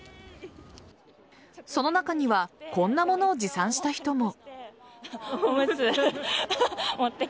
その中にはこんなものを持参した人も。